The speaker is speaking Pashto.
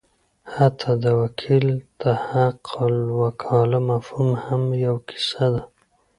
حتی د وکیل د حقالوکاله مفهوم هم یوه کیسه ده.